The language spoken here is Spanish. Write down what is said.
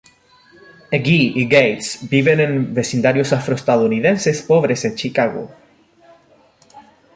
Agee y Gates viven en vecindarios afroestadounidenses pobres en Chicago.